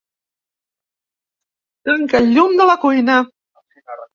Tanca el llum de la cuina.